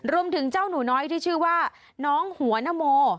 รวมถึงเจ้าหนูน้อยที่ชื่อว่าน้องหัวนโม